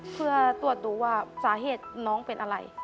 เพื่อตรวจดูว่าสาเหตุน้องเป็นอะไร